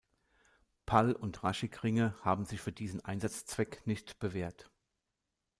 Pall- und Raschig-Ringe haben sich für diesen Einsatzzweck nicht bewährt.